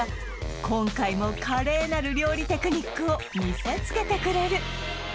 今回も華麗なる料理テクニックを見せつけてくれる！